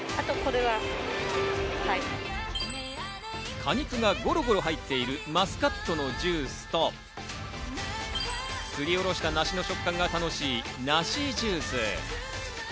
果肉がゴロゴロ入っているマスカットのジュースと、すりおろした梨の食感が楽しい梨ジュース。